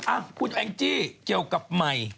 อ่ะคุณแองจี้เกี่ยวกับใหม่